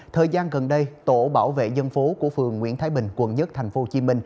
thời gian gần đây tổ bảo vệ dân phố của phường nguyễn thái bình quận một tp hcm